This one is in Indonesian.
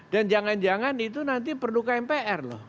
dan jangan jangan itu nanti perlu kmpr loh